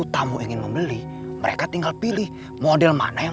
sampai jumpa di video selanjutnya